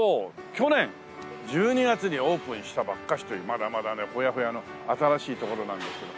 去年１２月にオープンしたばっかしというまだまだねホヤホヤの新しい所なんですけど。